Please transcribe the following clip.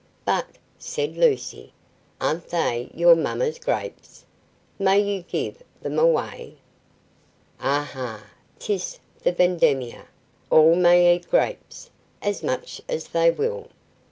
"But," said Lucy, "aren't they your Mamma's grapes; may you give them away?" "Ah, ah! 'tis the vendemmia! all may eat grapes; as much as they will.